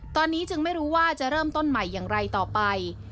ตอนนี้จึงไม่รู้ว่าจะเริ่มต้นใหม่อย่างไรต่อไป